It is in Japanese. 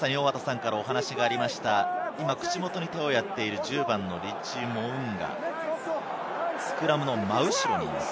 今、口元に手をやっている１０番のリッチー・モウンガ、スクラムの真後ろにいます。